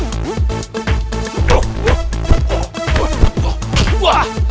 untuk ketemu stabilization tv